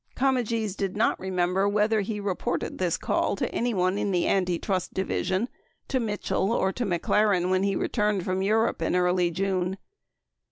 Comegys did not remember whether he re ported this call to anyone in the Antitrust Division, to Mitchell, or to McLaren when he returned from Europe in early June.